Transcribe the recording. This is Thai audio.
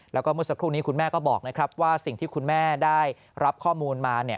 แล้วก็เมื่อสักครู่นี้คุณแม่ก็บอกนะครับว่าสิ่งที่คุณแม่ได้รับข้อมูลมาเนี่ย